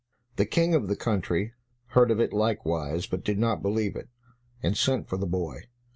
The King of the country heard of it likewise, but did not believe it, and sent for the boy.